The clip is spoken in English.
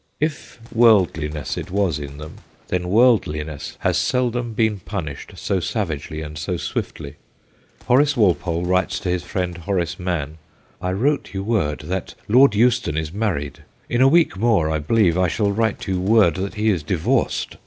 If worldliness it was in them, . then worldliness has seldom been punished so savagely and so swiftly. Horace Walpole writes to his friend, Horace Mann :' I wrote you word that Lord Euston is married ; in a week more I believe I shall write you word that he is divorced.